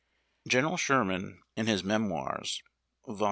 General Sherman, in his Memoirs (vol.